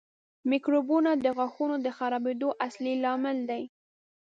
میکروبونه د غاښونو د خرابېدو اصلي لامل دي.